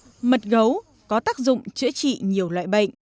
do quan niệm mật gấu có tác dụng chữa trị nhiều loại bệnh